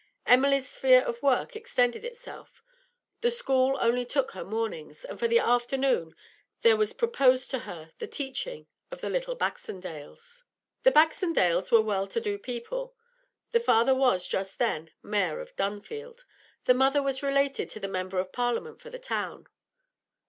Emily's sphere of work extended itself; the school only took her mornings, and for the afternoon there was proposed to her the teaching of the little Baxendales. The Baxendales were well to do people; the father was, just then, mayor of Dunfield, the mother was related to the member of Parliament for the town.